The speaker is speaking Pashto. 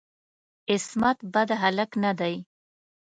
عصمت بد هلک نه دی.